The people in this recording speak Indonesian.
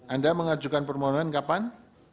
anda mengajukan permohonan kapan